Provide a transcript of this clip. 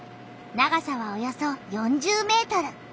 長さはおよそ４０メートル。